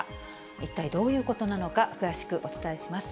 一体どういうことなのか、詳しくお伝えします。